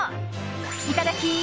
いただき！